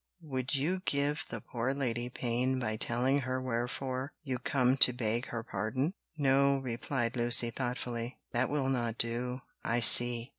would you give the poor lady pain by telling her wherefore you come to beg her pardon?" "No," replied Lucy, thoughtfully, "that will not do, I see."